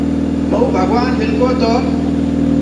مئونٚ ڀگوآن مِلگو تو